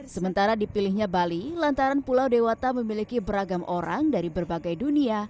sementara dipilihnya bali lantaran pulau dewata memiliki beragam orang dari berbagai dunia